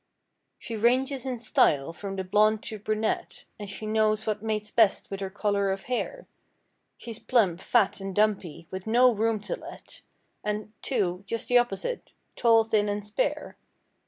She ranges in style from the blonde to brunette. And she knows what mates best with her color of hair. She's plump, fat and dumpy—with no room to let— And, too, just the opposite—tall, thin and spare.